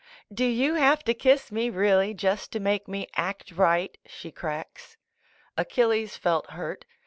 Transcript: "Do you have to kiss me, really, just to make me act right?" she cracks. Achilles felt hurt.